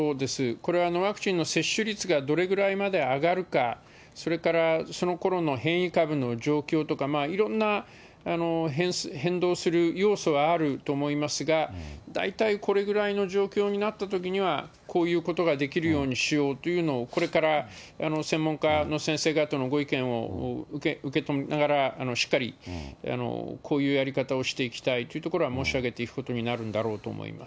これは、ワクチンの接種率がどれぐらいまで上がるか、それからそのころの変異株の状況とか、いろんな変動する要素はあると思いますが、大体これぐらいの状況になったときには、こういうことができるようにしようというのを、これから専門家の先生方のご意見を受け止めながら、しっかりこういうやり方をしていきたいというところは申し上げていくことになるんだろうと思います。